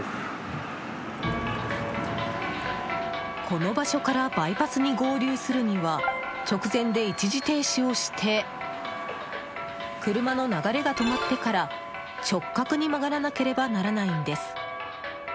この場所からバイパスに合流するには直前で一時停止をして車の流れが止まってから直角に曲がらなければならないんです。